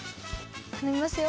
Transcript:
頼みますよ。